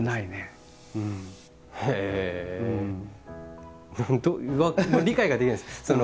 どうもう理解ができないです。